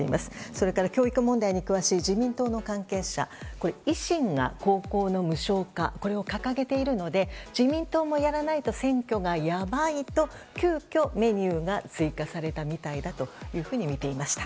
それから教育問題に詳しい自民党の関係者は維新が高校の無償化を掲げているので自民党もやらないと選挙がやばいと急きょメニューが追加されたみたいだと見ていました。